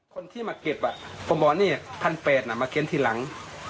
คนที่มาเก็บอะผมบอกพันเปชมาใช้เก็บทีหลัง